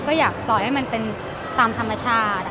ก็อยากปล่อยให้มันเป็นตามธรรมชาติ